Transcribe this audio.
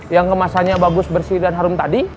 yang kemasannya bagus bersih dan harum tadi